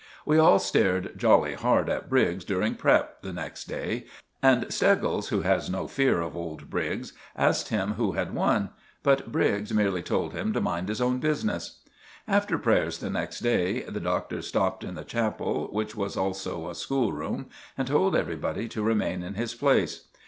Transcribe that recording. We all stared jolly hard at Briggs during prep. the next day, and Steggles, who has no fear of old Briggs, asked him who had won. But Briggs merely told him to mind his own business. After prayers the next day the Doctor stopped in the chapel, which was also a school room, and told everybody to remain in his place.